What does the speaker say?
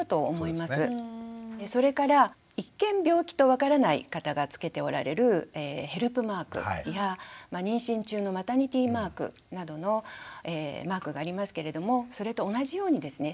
それから一見病気と分からない方がつけておられるヘルプマークや妊娠中のマタニティマークなどのマークがありますけれどもそれと同じようにですね